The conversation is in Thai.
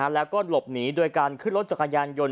แล้วก็หลบหนีโดยการขึ้นรถจักรยานยนต